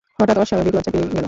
হঠাৎ অস্বাভাবিক লজ্জা পেয়ে গেল।